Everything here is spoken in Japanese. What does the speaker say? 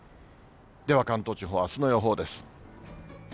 では関東地方、あすの予報です。